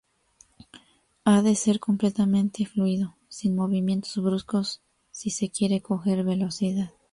Ha de ser completamente fluido, sin movimientos bruscos si se quiere coger velocidad.